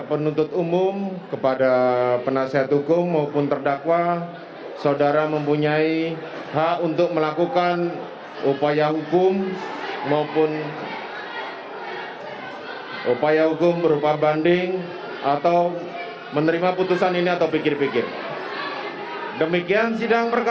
menetapkan terdakwa sebagai saksi